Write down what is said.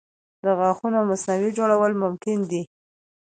د غاښونو مصنوعي جوړول ممکنه دي.